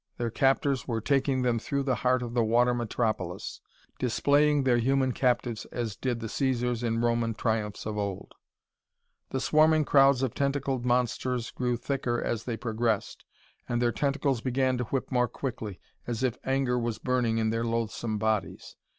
Their captors were taking them through the heart of the water metropolis; displaying their human captives as did the Caesars in Roman triumphs of old! The swarming crowds of tentacled monsters grew thicker as they progressed, and their tentacles began to whip more quickly, as if anger was burning in their loathsome bodies.